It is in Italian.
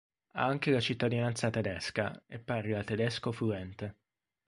Ha anche la cittadinanza tedesca e parla tedesco fluente.